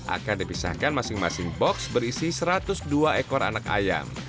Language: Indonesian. akan dipisahkan masing masing box berisi satu ratus dua ekor anak ayam